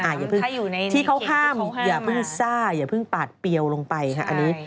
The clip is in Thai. อย่าเพิ่งที่เขาห้ามอย่าเพิ่งซ่าอย่าเพิ่งปาดเปรี้ยวลงไปค่ะอันนี้